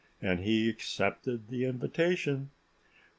And he accepted the invitation."